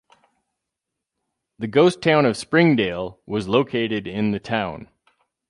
The ghost town of Springdale was located in the town.